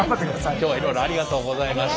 今日はいろいろありがとうございました。